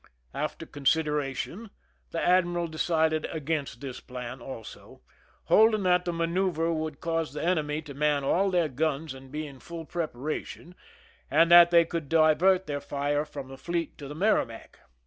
After consideration the admiral decided against this plan also, holding that the manoeuver would cause the eneiay to man all their guns and be in full preparation, s.nd that they could divert their fire from the fieet to the Merrimac.